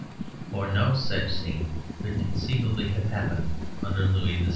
For no such scene could conceivably have happened under Louis XVI.